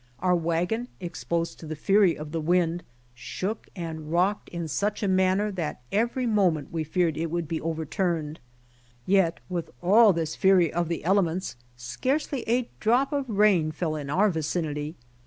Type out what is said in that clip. Our wagon, exposed to the furv of the wind, shook and rocked in such a nmnner, that every moment we feared it would be overturne'd. Yet with all this flurry of the ele ments scarcely a drop of rain fell in our vicinity.